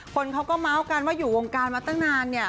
คนเขาก็เมาส์กันว่าอยู่วงการมาตั้งนานเนี่ย